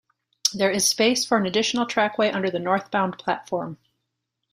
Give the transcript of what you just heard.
There is space for an additional trackway under the northbound platform.